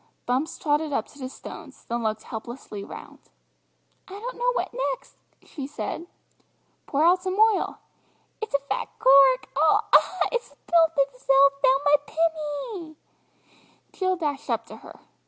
Bumps trotted up to the stones then looked helplessly round. "I don't know what next," she said. "Pour out some oil." "It's a fat cork oh! ah! it's thpilt itthelf down my pinny!" Jill dashed up to her.